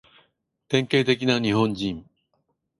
典型的な日本人